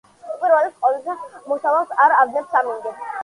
უპირველეს ყოვლისა, მოსავალს არ ავნებს ამინდი.